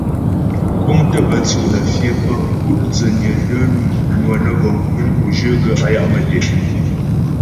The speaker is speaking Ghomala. Kúŋ tə́ bə́ tsʉ' nə́ fyə pə́ pu' dzənyə də́ nwə gɔ mkuŋ o zhyə gaə́ á ya' mətɛ.